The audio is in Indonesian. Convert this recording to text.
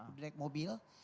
udah naik mobil